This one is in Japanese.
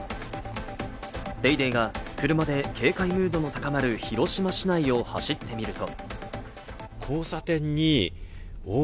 『ＤａｙＤａｙ．』が車で警戒モードの高まる広島市内を走ってみると。